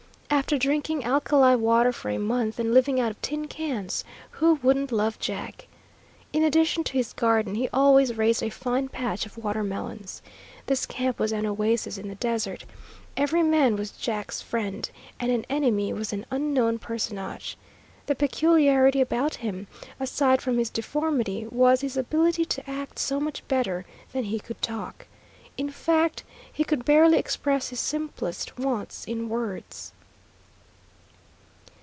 After drinking alkali water for a month and living out of tin cans, who wouldn't love Jack? In addition to his garden, he always raised a fine patch of watermelons. This camp was an oasis in the desert. Every man was Jack's friend, and an enemy was an unknown personage. The peculiarity about him, aside from his deformity, was his ability to act so much better than he could talk. In fact he could barely express his simplest wants in words.